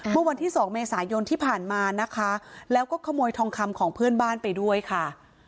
เมื่อวันที่สองเมษายนที่ผ่านมานะคะแล้วก็ขโมยทองคำของเพื่อนบ้านไปด้วยค่ะ